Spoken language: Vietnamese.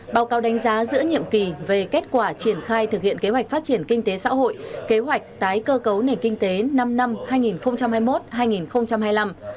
báo cáo đánh giá giữa nhiệm kỳ về kết quả triển khai thực hiện kế hoạch phát triển kinh tế xã hội kế hoạch tái cơ cấu nền kinh tế năm năm hai nghìn hai mươi một hai nghìn hai mươi năm